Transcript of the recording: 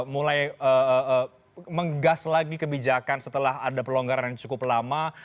mulai menggas lagi kebijakan setelah ada pelonggaran yang cukup lama